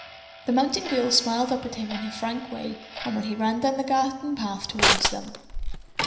The mountain girl smiled up at him in her frank way when he ran down the garden path toward them.